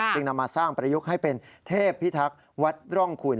นำมาสร้างประยุกต์ให้เป็นเทพพิทักษ์วัดร่องคุณ